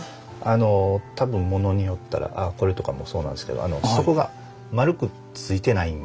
多分物によったらこれとかもそうなんですけど底が丸くついてないんですよ。